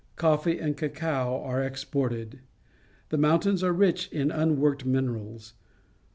Coffee and cacao are exported. The mountains are rich in un worked minerals.